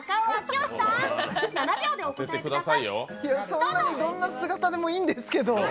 そんなに、どんな姿でもいいんですけど。